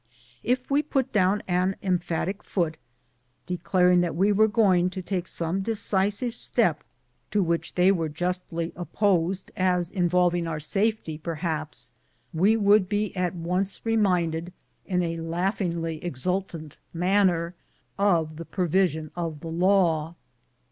If we put down an emphatic foot, declaring that we were going to take some decisive step to which they were justly op posed as involving our safety, perhaps, we would be at once reminded, in a laughingly exultant manner, of the provision of the law.